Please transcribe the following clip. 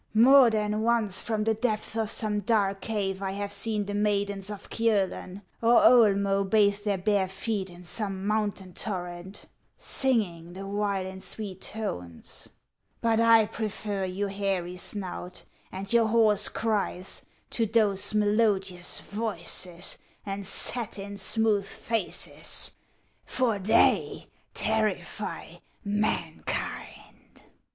More than once from the depths of some dark cave I have seen the maidens of Kiolen or Oelmco bathe their bare feet in some mountain torrent, singing the while in sweet tones ; but I prefer your hairy snout and your hoarse cries to those melodious voices and satin smooth faces ; for they terrify mankind."